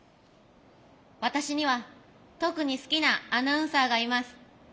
私には特に好きなアナウンサーがいます。